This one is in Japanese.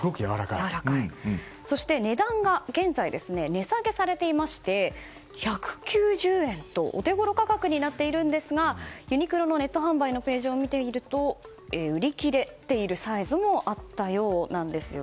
そして値段が現在値下げされていまして１９０円とお手ごろ価格になっているんですがユニクロのネット販売のページを見ていると売り切れているサイズもあったようなんです。